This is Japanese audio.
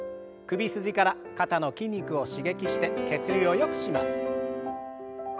首筋から肩の筋肉を刺激して血流をよくします。